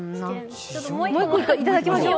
もう１個いただきましょう。